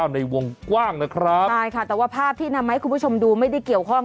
ในวงกว้างนะครับใช่ค่ะแต่ว่าภาพที่นำมาให้คุณผู้ชมดูไม่ได้เกี่ยวข้อง